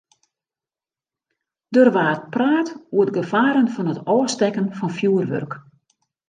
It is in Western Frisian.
Der waard praat oer de gefaren fan it ôfstekken fan fjurwurk.